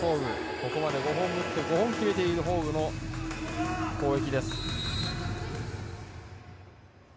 ここまで５本打って５本決めているホーグの攻撃。